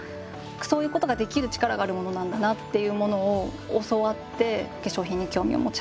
そういうことができるチカラがあるものなんだなっていうものを教わって化粧品に興味を持ち始めました。